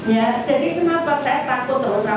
ya jadi kenapa saya takut terus